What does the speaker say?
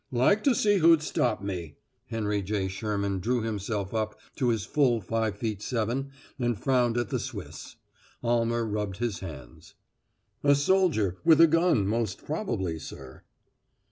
"Like to see who'd stop me!" Henry J. Sherman drew himself up to his full five feet seven and frowned at the Swiss. Almer rubbed his hands. "A soldier with a gun, most probably, sir."